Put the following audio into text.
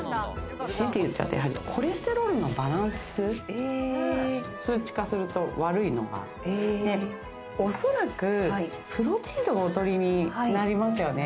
しいて言うと、コレステロールのバランス、数値化すると悪いのがあって、おそらくプロテインとかおとりになりますよね。